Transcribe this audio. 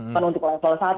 kan untuk level satu